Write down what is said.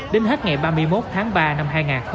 đến hết ngày ba mươi một tháng ba năm hai nghìn một mươi chín